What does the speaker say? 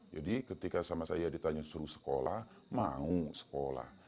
jadi ketika sama saya ditanya suruh sekolah mau sekolah